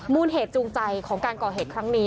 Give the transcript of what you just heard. มูลเหตุจูงใจของการก่อเหตุครั้งนี้